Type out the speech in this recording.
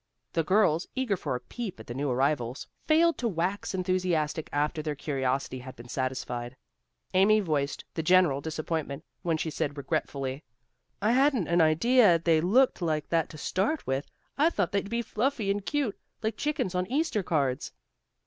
The girls, eager for a peep at the new arrivals, failed to wax enthusiastic after their curiosity had been satisfied. Amy voiced the general disappointment when she said regretfully, "I hadn't an idea they looked like that to start with. I thought they'd be fluffy and cute, like the chickens on Easter cards."